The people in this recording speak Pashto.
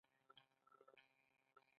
ښوروا د سرې غوښې له خوند نه ډکه وي.